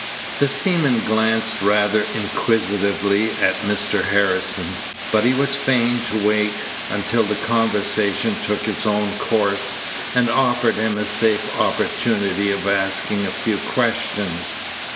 The seaman glanced rather inquisitively at Mr. Harrison; Page 166 but he was fain to wait until the conversation took its own course, and offered him a safe opportunity of asking a few questions.